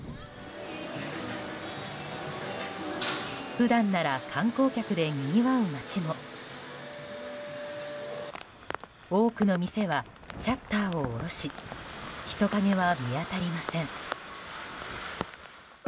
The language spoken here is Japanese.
普段なら観光客でにぎわう街も多くの店はシャッターを下ろし人影は見当たりません。